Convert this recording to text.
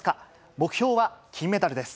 目標は金メダルです。